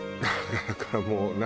だからもう何？